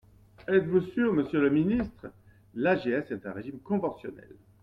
En êtes-vous sûr, monsieur le ministre ? L’AGS est un régime conventionnel.